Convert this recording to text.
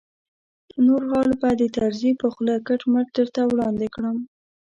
نور حال به د طرزي په خوله کټ مټ درته وړاندې کړم.